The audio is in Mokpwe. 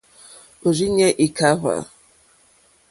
Òrzìɲɛ́ î kàhwé.